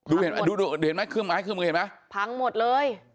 โอ้โหนี่ดูเห็นไหมเครื่องไม้คลึงมือเห็นไหมพังหมดเลย